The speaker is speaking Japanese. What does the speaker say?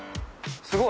すごい。